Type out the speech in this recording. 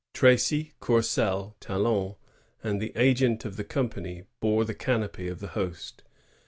Tracy, Courcelle, Talon, and the agent of the company bore the canopy of the Host.